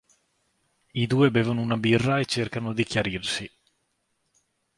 I due bevono una birra e cercano di chiarirsi.